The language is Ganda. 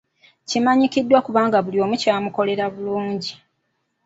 Kimanyikiddwa kubanga buli omu kyamukolera bulungi.